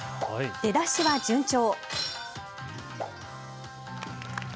出だしは順調。